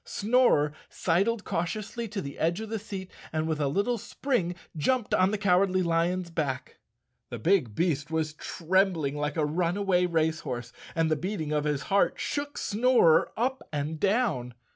Snorer sidled cautiously to the edge of the seat and with a little spring jumped on the Cowardly Lion's back. The big beast was trembling like a runaway race horse, and the beating of his heart shook Snorer up and down.